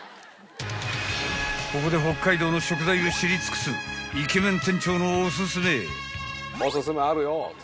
［ここで北海道の食材を知り尽くすイケメン店長のおすすめ］